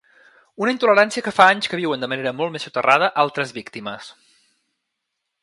Una intolerància que fa anys que viuen de manera molt més soterrada altres víctimes.